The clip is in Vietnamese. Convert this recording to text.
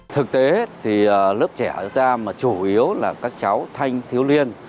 thực tế thì lớp trẻ chúng ta mà chủ yếu là các cháu thanh thiếu liên